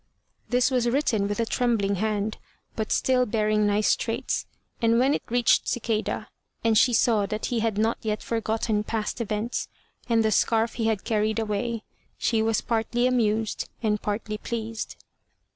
This was written with a trembling hand, but still bearing nice traits, and when it reached Cicada, and she saw that he had not yet forgotten past events, and the scarf he had carried away, she was partly amused and partly pleased.